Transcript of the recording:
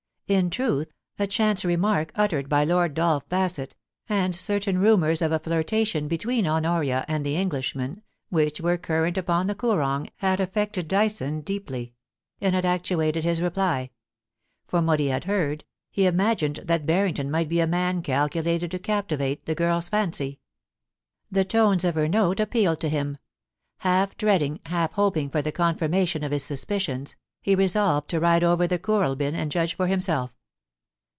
In truth, a chance remark uttered by Lord Dolph Bassett, and certain rumours of a flirtation between Honoria and the Englishman, which were current upon the Koorong, had affected Dyson deeply, and had actuated his reply. From what he had heard, he imagined that Barrington might be a man calculated to captivate the girl's fancy. The tones of 1 84 POLICY AND PASSION, her note appealed to him. Half dreading, half hoping for the confirmation of his suspicions, he resolved to ride over to Kooralbyn and judge for himself.